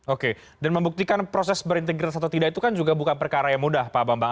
oke dan membuktikan proses berintegritas atau tidak itu kan juga bukan perkara yang mudah pak bambang